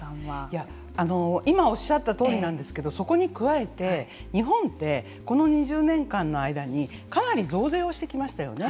今おっしゃったとおりなんですけどそこに加えて日本って、この２０年間の間にかなり増税をしてきましたよね。